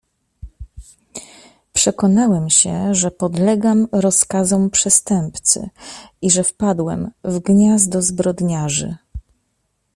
"Przekonałem się, że podlegam rozkazom przestępcy i że wpadłem w gniazdo zbrodniarzy."